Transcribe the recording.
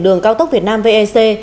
đường cao tốc việt nam vec